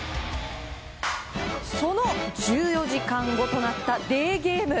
その１４時間後となったデーゲーム。